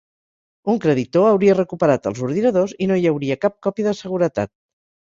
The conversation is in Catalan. Un creditor hauria recuperat els ordinadors i no hi hauria cap còpia de seguretat.